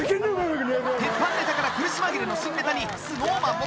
鉄板ネタから苦し紛れの新ネタにＳｎｏｗＭａｎも大爆笑！